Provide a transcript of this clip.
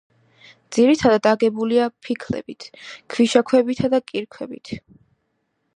ძირითადად აგებულია ფიქლებით, ქვიშაქვებითა და კირქვებით.